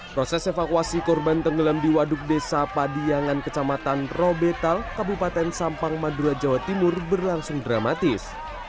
proses evakuasi korban tenggelam di waduk desa padiangan kecamatan robetal kabupaten sampang madura jawa timur berlangsung dramatis